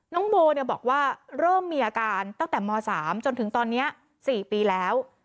น้องโบบอกว่าเริ่มมีอาการตั้งแต่ม๓จนถึงตอนนี้๔ปีแล้ว